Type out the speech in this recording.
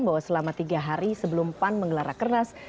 bahwa selama tiga hari sebelum pan menggelar rakernas